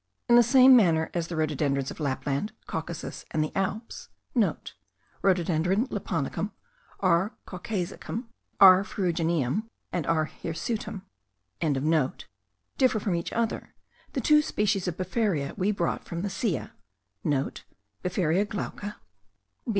In the same manner as the rhododendrons of Lapland, Caucasus, and the Alps* (* Rhododendron lapponicum, R. caucasicum, R. ferrugineum, and R. hirsutum.) differ from each other, the two species of befaria we brought from the Silla* (* Befaria glauca, B.